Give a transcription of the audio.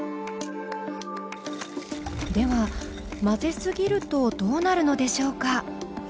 では混ぜすぎるとどうなるのでしょうか？